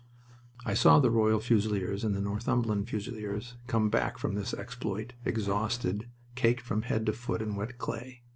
I saw the Royal Fusiliers and Northumberland Fusiliers come back from this exploit, exhausted, caked from head to foot in wet clay.